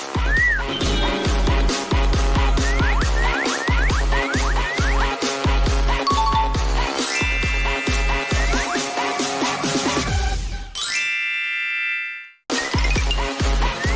โปรดติดตามตอนต่อไป